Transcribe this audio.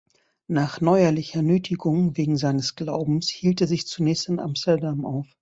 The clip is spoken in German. Nach neuerlicher Nötigung wegen seines Glaubens hielt er sich zunächst in Amsterdam auf.